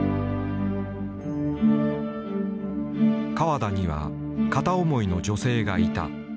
河田には片思いの女性がいた。